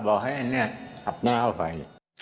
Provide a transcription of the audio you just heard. บอกให้อันนี้อับน้ำเอาไป